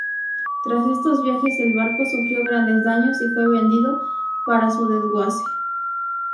Tras estos viajes el barco sufrió grandes daños y fue vendido para su desguace.